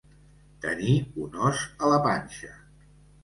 Tenir un os a la panxa.